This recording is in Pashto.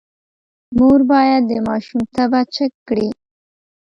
مور باید د ماشوم تبه چیک کړي۔